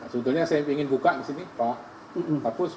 sebetulnya saya ingin buka di sini pak pus